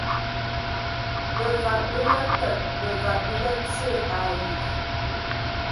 Bevag be ngaateg, bevag be ngaatie ai.